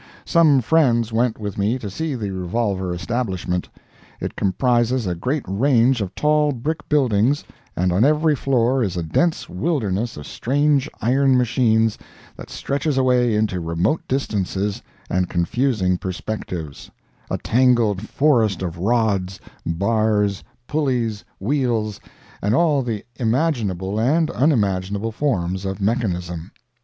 Some friends went with me to see the revolver establishment. It comprises a great range of tall brick buildings, and on every floor is a dense wilderness of strange iron machines that stretches away into remote distances and confusing perspectives—a tangled forest of rods, bars, pulleys, wheels, and all the imaginable and unimaginable forms of mechanism.